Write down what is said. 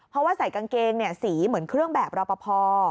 เพราะว่าใส่กางเกงสีเหมือนเครื่องแบบรอปภ